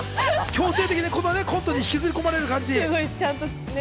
強制的にこのコントに引きずり込まれる感じ。